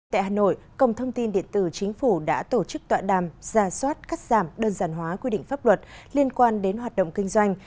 tại hà nội cổng thông tin điện tử chính phủ đã tổ chức tọa đàm ra soát cắt giảm đơn giản hóa quy định pháp luật liên quan đến hoạt động kinh doanh